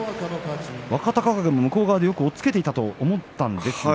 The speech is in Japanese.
若隆景は向こう側でよく押っつけていたと思うんですが。